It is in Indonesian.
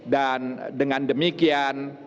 dan dengan demikian